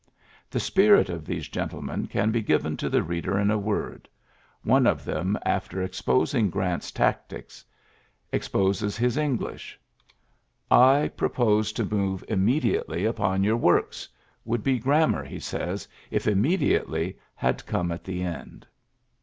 The spirit of these gentlemen can be given to the reader in a word. One of them, after exposing Grant's tactics, exposes his English. *'I pro iiuiary ^oli 68 XJLYSSES S. GEAira pose to move immediately npon your works,'' would be grammar, he says, if *' immediately '' had come at the end.